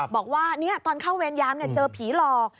บอกว่าตอนเข้าเวรยามเจอผีหลอก